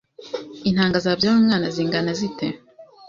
intanga zabyara umwana zingana zite